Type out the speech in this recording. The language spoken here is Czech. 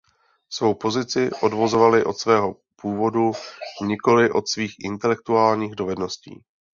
Svou pozici odvozovali od svého původu nikoli od svých intelektuálních dovedností.